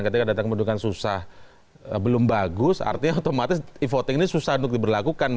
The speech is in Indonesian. ketika data kependudukan susah belum bagus artinya otomatis e voting ini susah untuk diberlakukan